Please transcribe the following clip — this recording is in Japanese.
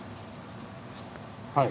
はい。